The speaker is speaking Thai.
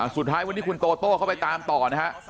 สุดท้ายคุณโตโตเขาไปตามต่อนะครับ